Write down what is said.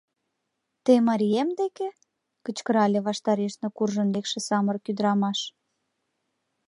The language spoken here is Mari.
— Те марием деке?! — кычкырале ваштарешна куржын лекше самырык ӱдырамаш.